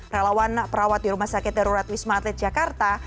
relawan perawat di rumah sakit darurat wisma atlet jakarta